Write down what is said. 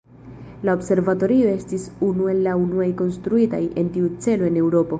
La observatorio estis unu el la unuaj konstruitaj en tiu celo en Eŭropo.